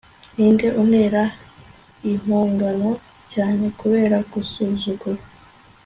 ninde untera impongano cyane kubera gusuzugura